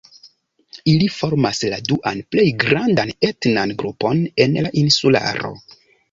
Ili formas la duan plej grandan etnan grupon en la insularo.